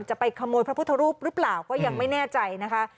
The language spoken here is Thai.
จะไปขโมยพระพุทธรูปหรือเปล่าก็ยังไม่แน่ใจนะคะ